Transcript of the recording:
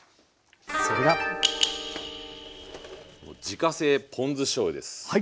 自家製ポン酢しょうゆです。